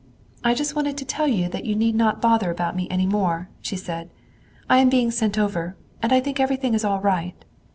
"I just wanted to tell you that you need not bother about me any more," she said. "I am being sent over and I think everything is all right."